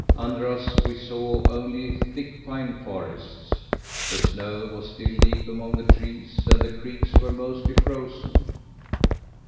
Under us we, saw only thick pine forests. The snow was still deep among the trees, and the creeks were mostly frozen.